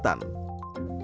pesan yang salahnya